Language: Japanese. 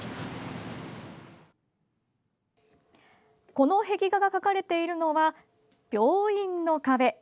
この壁画が描かれているのは病院の壁。